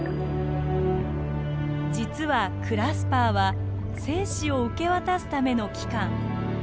実はクラスパーは精子を受け渡すための器官。